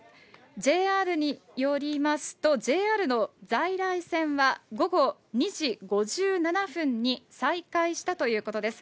ＪＲによりますと、ＪＲの在来線は午後２時５７分に再開したということです。